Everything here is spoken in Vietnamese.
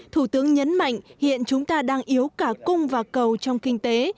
thủ tướng nhấn mạnh hiện chúng ta đang yếu cả cung và cầu trong kinh tế